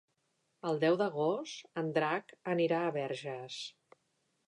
El deu d'agost en Drac anirà a Verges.